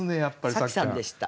紗季さんでした。